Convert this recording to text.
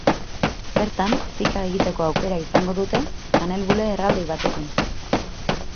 Bertan fika egiteko aukera izango dute kanelbulle erraldoi batekin.